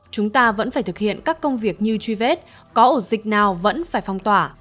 chúng ta vẫn phải thực hiện các công việc như truy vết có ổ dịch nào vẫn phải phong tỏa